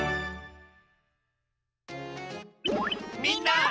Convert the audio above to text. みんな！